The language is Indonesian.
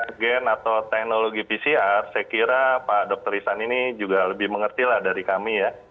nah kalau untuk rt pcr atau teknologi pcr saya kira pak dr rizwan ini juga lebih mengerti lah dari kami ya